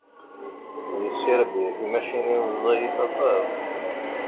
Deg Serbya, timacinin ẓẓayit aṭas.